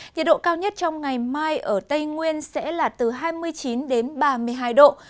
nhiệt độ cao nhất trong ngày mai ở tây nguyên sẽ là từ hai mươi chín đến ba mươi hai độ